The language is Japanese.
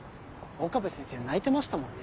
岡部先生泣いてましたもんね。